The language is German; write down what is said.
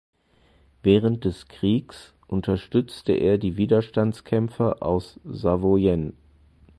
Während des Kriegs unterstützte er die Widerstandskämpfer aus Savoyen.